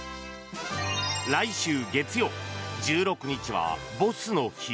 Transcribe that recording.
来週月曜、１６日はボスの日。